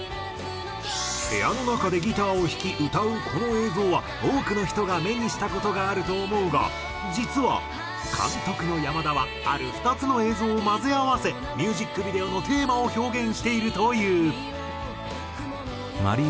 部屋の中でギターを弾き歌うこの映像は多くの人が目にした事があると思うが実は監督の山田はある２つの映像を混ぜ合わせミュージックビデオのテーマを表現しているという。